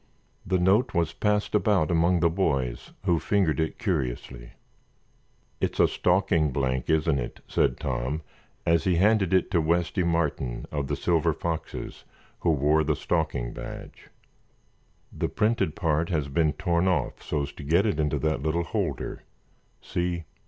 The note was passed about among the boys, who fingered it curiously. "It's a stalking blank, isn't it," said Tom, as he handed it to Westy Martin, of the Silver Foxes, who wore the stalking badge. "The printed part has been torn off so's to get it into that little holder. See?"